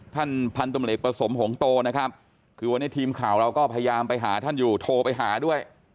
ท่านพันธุ์ตำรวจเอกประสมหงโตนะครับคือวันนี้ทีมข่าวเราก็พยายามไปหาท่านอยู่โทรไปหาด้วย